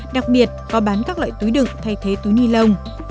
đặc biệt có bán các loại túi đựng thay thế túi ni lông